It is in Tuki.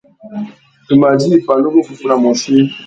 Tu mà djï pandúruffúffuna môchï.